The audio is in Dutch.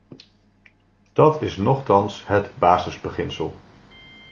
Dat is nochtans het basisbeginsel.